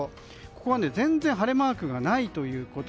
ここは全然晴れマークがない。